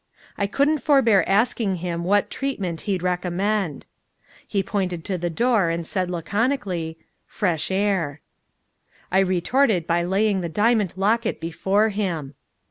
I couldn't forbear asking him what treatment he'd recommend. He pointed to the door, and said laconically: "Fresh air." I retorted by laying the diamond locket before him.